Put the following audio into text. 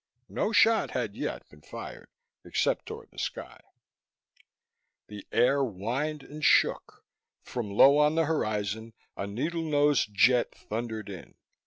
No shot had yet been fired, except toward the sky. The air whined and shook. From low on the horizon, a needle nosed jet thundered in.